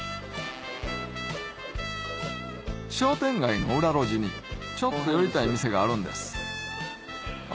商店街の裏路地にちょっと寄りたい店があるんですあ